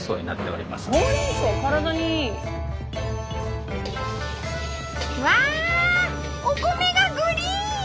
お米がグリーン！